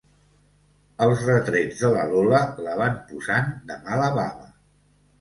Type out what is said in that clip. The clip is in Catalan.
Els retrets de la Lola la van posant de mala bava.